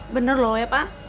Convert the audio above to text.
bener loh ya pak